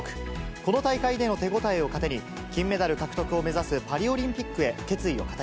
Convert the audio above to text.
この大会での手応えを糧に、金メダル獲得を目指すパリオリン